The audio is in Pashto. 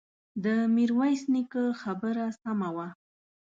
د ميرويس نيکه خبره سمه وه.